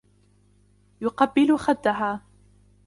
يقبل خدها.